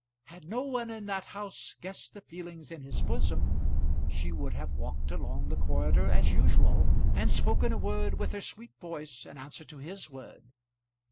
Had no one in that house guessed the feelings in his bosom, she would have walked along the corridor as usual, and spoken a word with her sweet voice in answer to his word.